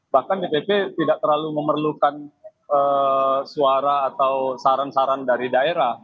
bahkan dpp tidak terlalu memerlukan suara atau saran saran dari daerah